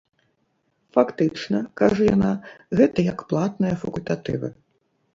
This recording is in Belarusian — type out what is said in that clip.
Фактычна, кажа яна, гэта як платныя факультатывы.